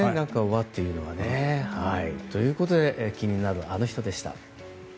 和というのはね。ということで気になるアノ人でした。